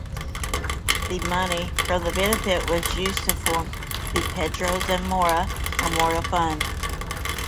The money from the benefit was used to form the Pedro Zamora Memorial Fund.